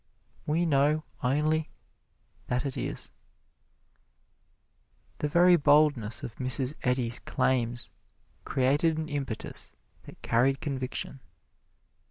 We know only that it is. The very boldness of Mrs. Eddy's claims created an impetus that carried conviction.